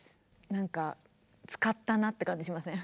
何か使ったなって感じしません？